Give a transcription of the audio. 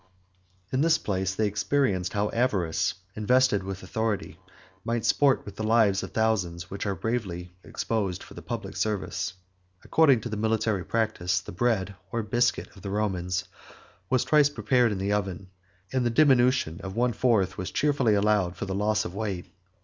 In this place they experienced how avarice, invested with authority, may sport with the lives of thousands which are bravely exposed for the public service. According to military practice, the bread or biscuit of the Romans was twice prepared in the oven, and the diminution of one fourth was cheerfully allowed for the loss of weight.